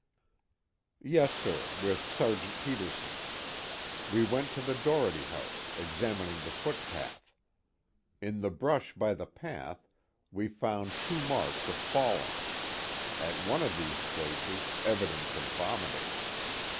"Yes, sir, with Sergeant Peterson. We went to the Doherty house, examining the footpath. In the brush by the path, we found two marks of falling; at one of these places, evidence of vomiting.